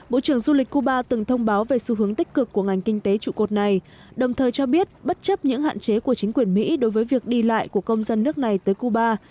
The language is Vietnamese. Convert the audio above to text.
bộ trưởng du lịch cuba từng thông báo về xu hướng tích cực của ngành kinh tế trụ cột này đồng thời cho biết bất chấp những hạn chế của chính quyền mỹ đối với việc đi lại của công dân nước này tới cuba